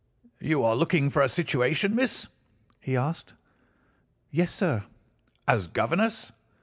"'You are looking for a situation, miss?' he asked. "'Yes, sir.' "'As governess?